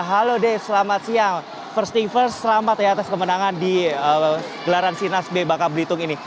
halo day selamat siang first thing first selamat ya atas kemenangan di gelaran sirnas b bangka belitung ini